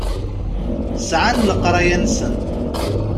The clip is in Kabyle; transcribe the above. Sɛan leqraya-nsen.